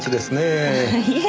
いえ。